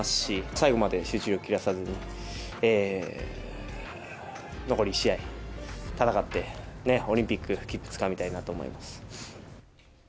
最後まで集中を切らさずに、残り１試合戦って、オリンピック切符つかみたいなと思います。